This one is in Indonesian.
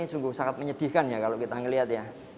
ini sungguh sangat menyedihkan ya kalau kita melihat ya